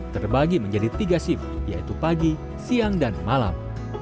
terbagi menjadi tiga shift yaitu pagi siang dan malam